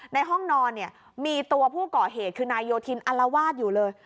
ในห้องนอนเนี่ยมีตัวผู้ก่อเหตุคือนายโยธินอัลวาดอยู่เลย